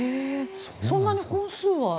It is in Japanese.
そんなに本数は？